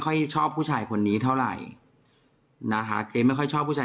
ชอบผู้ชายคนนี้เท่าไหร่นะคะเจ๊ไม่ค่อยชอบผู้ชาย